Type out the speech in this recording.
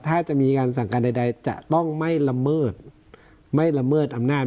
ถ้าจะมีการสั่งการใดจะต้องไม่ละเมิดอำนาจ